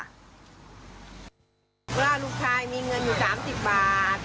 ลูกชายมีเงินอยู่๓๐บาท